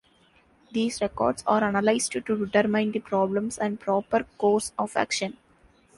These records are analyzed to determine the problems and proper course of action.